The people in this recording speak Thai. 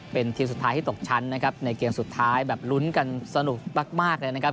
เป็นทีมสุดท้ายที่ตกชั้นนะครับในเกมสุดท้ายแบบลุ้นกันสนุกมากเลยนะครับ